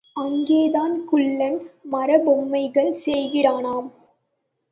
அங்கேதான் குள்ளன் மரப்பொம்மைகள், செய்கிறானாம்.